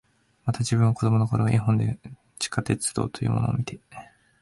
また、自分は子供の頃、絵本で地下鉄道というものを見て、